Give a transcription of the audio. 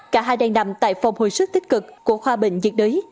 cả hai đang nằm tại phòng hồi sức tích cực của khoa bệnh nhiệt đới